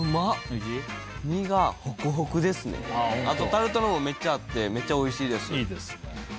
あとタルタルもめっちゃあってめちゃおいしいです。